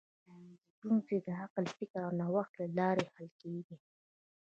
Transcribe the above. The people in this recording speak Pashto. ستونزې د عقل، فکر او نوښت له لارې حل کېږي.